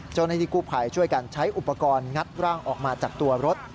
เจ้าหน้าที่กู้ภัยช่วยกันใช้อุปกรณ์งัดร่างออกมาจากตัวรถ